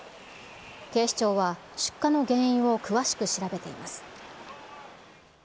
警視庁は出火の原因を詳しく調べています。